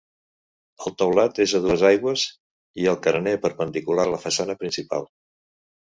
El teulat és a dues aigües i el carener perpendicular a la façana principal.